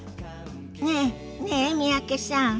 ねえねえ三宅さん。